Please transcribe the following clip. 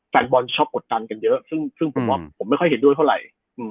แฟนบอลชอบกดดันกันเยอะซึ่งผมว่าผมไม่ค่อยเห็นด้วยเท่าไหร่